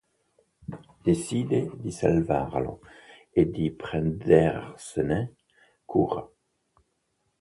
Decide di salvarlo e di prendersene cura.